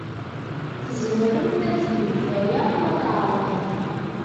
Tzemremt ad tgemt aya ma tɛerḍemt.